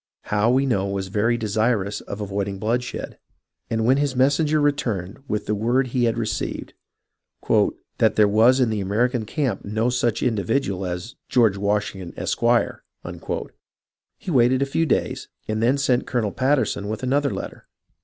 Howe we know was very desirous of avoiding bloodshed, and when his messenger returned with the word he had received, " that there was in the American camp no such indi\"idual as George Washington, Esq.," he waited a few days, and then sent Colonel Patter son with another letter.